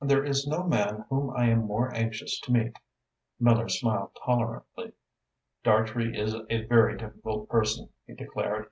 There is no man whom I am more anxious to meet." Miller smiled tolerantly. "Dartrey is a very difficult person," he declared.